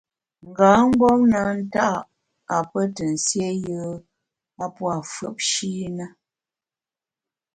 Nga mgbom na nta’ a pe te nsié yùe a pua’ fùepshi na.